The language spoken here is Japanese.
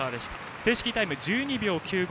正式タイム１２秒９５。